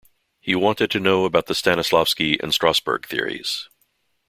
He wanted to know about the Stanislavski and Strasberg theories.